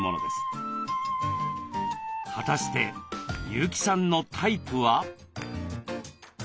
果たして優木さんのタイプは？